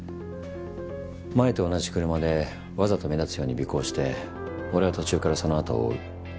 前と同じ車でわざと目立つように尾行して俺は途中からそのあとを追う。